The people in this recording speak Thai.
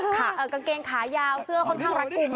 กางเกงขายาวเสื้อค่อนข้างรัดกลุ่ม